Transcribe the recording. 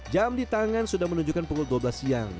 jam di tangan sudah menunjukkan pukul dua belas siang